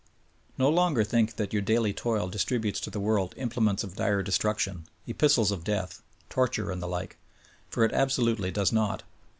No longer think that j our dail}^ toil distributes to the world implements of dire destruction, epistles of death, torture and the like, for it absolutely does not.